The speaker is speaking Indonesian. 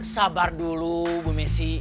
sabar dulu bu messi